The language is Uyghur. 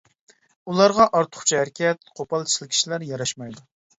ئۇلارغا ئارتۇقچە ھەرىكەت، قوپال سىلكىشلەر ياراشمايدۇ.